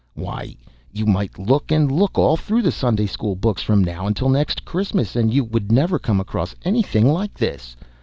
Why, you might look, and look, all through the Sunday school books from now till next Christmas, and you would never come across anything like this.